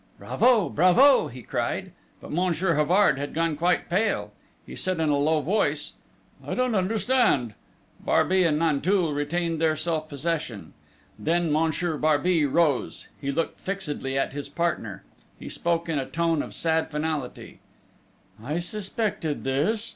"Bravo! Bravo!" he cried. But Monsieur Havard had gone quite pale. He said in a low voice: "I don't understand!" Barbey and Nanteuil retained their self possession! Then Monsieur Barbey rose. He looked fixedly at his partner. He spoke in a tone of sad finality: "I suspected this!...